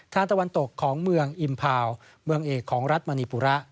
ตะวันตกของเมืองอิมพาวเมืองเอกของรัฐมณีปุระ